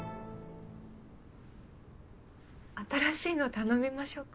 新しいの頼みましょうか？